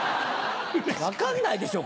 分かんないでしょ